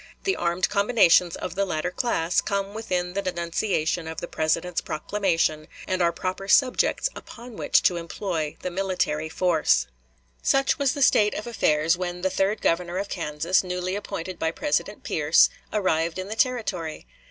The armed combinations of the latter class come within the denunciation of the President's proclamation and are proper subjects upon which to employ the military force." "Washington Union," August 1, 1856. Such was the state of affairs when the third Governor of Kansas, newly appointed by President Pierce, arrived in the Territory.